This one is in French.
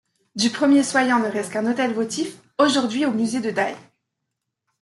Du premier Soyans ne reste qu'un autel votif, aujourd'hui au musée de Die.